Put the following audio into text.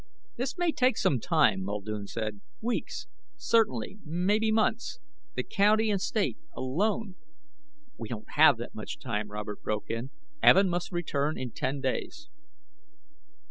"This may take some time," Muldoon said. "Weeks, certainly, maybe months. The County and State, alone ...""We don't have that much time," Robert broke in. "Evin must return in ten days...."